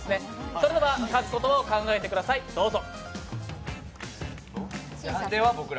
それでは書く言葉を考えてください、どうぞ。